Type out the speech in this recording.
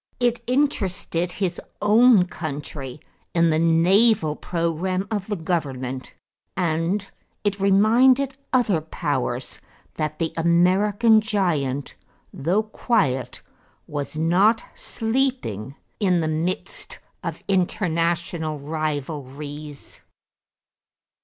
It interested his own country in the naval program of the government, and it reminded other powers that the American giant, though quiet, was not sleeping in the midst of international rivalries.